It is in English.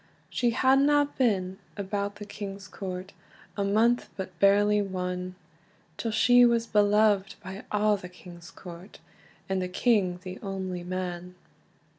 She hadna been about the king's court A month, but barely one, Till she was beloved by a' the king's court, And the king the only man.